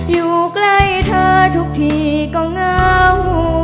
อยู่ใกล้เธอทุกทีก็เงา